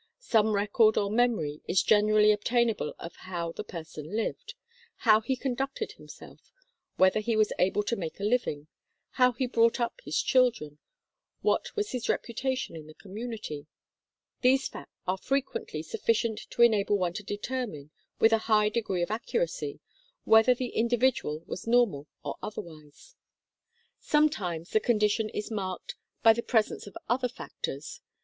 Some record or memory is generally obtainable of how the person lived, how he conducted himself, whether he was able to make a living, how he brought up his children, what was his reputation in the community ; these facts are frequently sufficient to enable one to determine, with a high degree of accuracy, whether the individual was normal or otherwise. Sometimes the condition is marked by the THE DATA 15 presence of other factors.